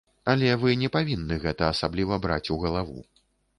Але вы не павінны гэта асабліва браць у галаву.